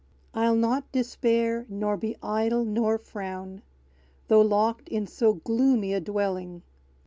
I'll not despair, nor be idle, nor frown; Though locked in so gloomy a dwelling!